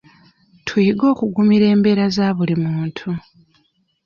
Tuyige okugumira embeera za buli muntu.